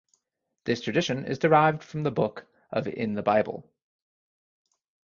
This tradition is derived from the book of in the Bible.